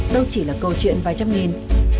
đâu chỉ là câu chuyện vài trăm nghìn